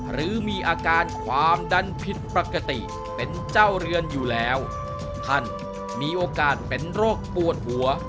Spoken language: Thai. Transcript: หรือมีอาการความดันผิดปกติเป็นเจ้าเรือนอยู่แล้วท่านมีโอกาสเป็นโรคปวดหัว